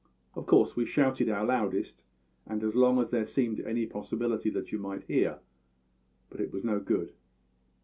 Of course we shouted our loudest, and as long as there seemed any possibility that you might hear; but it was no good.